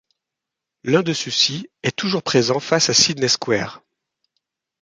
L’un de ceux-ci est toujours présent face à Sydney Square.